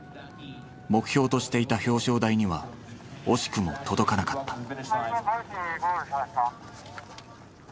目標としていた表彰台には惜しくも届かなかった。